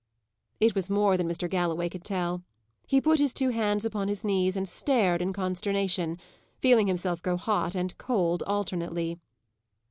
It was more than Mr. Galloway could tell. He put his two hands upon his knees, and stared in consternation, feeling himself grow hot and cold alternately.